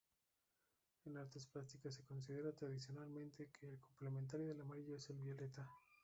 En artes plásticas se considera tradicionalmente que el complementario del amarillo es el violeta.